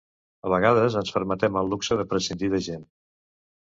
A vegades ens permetem el luxe de prescindir de gent.